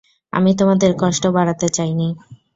আমি তোমাদের কষ্ট বাড়াতে চাইনি।